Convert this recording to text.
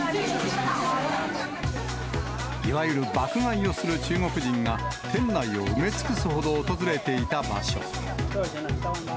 いわゆる爆買いをする中国人が、店内を埋め尽くすほど訪れていた場所。